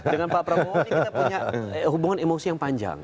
dengan pak prabowo ini kita punya hubungan emosi yang panjang